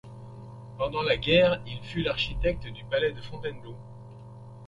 Pendant la guerre, il fut l’architecte du palais de Fontainebleau.